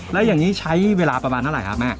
และอย่างนี้ใช้เวลาประมาณอะไรครับแม่